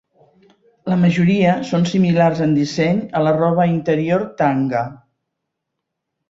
La majoria són similars en disseny a la roba interior tanga.